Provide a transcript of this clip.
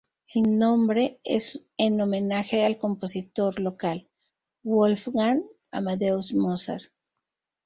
El nombre es en homenaje al compositor local, Wolfgang Amadeus Mozart.